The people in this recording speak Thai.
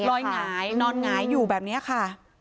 หงายนอนหงายอยู่แบบนี้ค่ะ